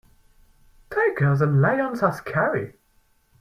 Tigers and lions are scary.